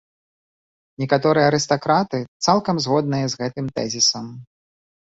Некаторыя арыстакраты цалкам згодныя з гэтым тэзісам.